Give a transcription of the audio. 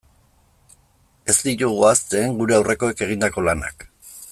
Ez ditugu ahazten gure aurrekoek egindako lanak.